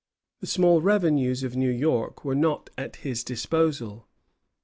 The small revenues of New York were not at his disposal.